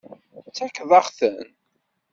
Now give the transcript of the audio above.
Tfakkeḍ-aɣ-ten.